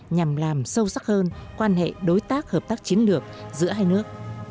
nhằm làm sâu sắc hơn quan hệ đối tác hợp tác chiến lược giữa hai nước